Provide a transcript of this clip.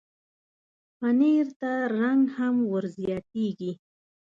پنېر ته رنګ هم ورزیاتېږي.